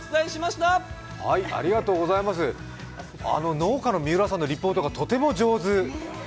農家の三浦さんのリポートがとても上手。